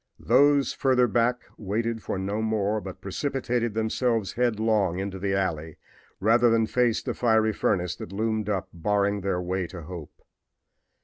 Those further back waited for no more, but precipitated themselves headlong into the alley rather than face the fiery furnace that loomed up barring the way to hope.